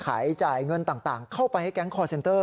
จ่ายเงินต่างเข้าไปให้แก๊งคอร์เซ็นเตอร์